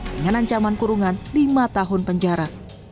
dengan ancaman kurungan lima tahun penjara